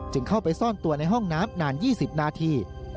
เข้าไปซ่อนตัวในห้องน้ำนาน๒๐นาที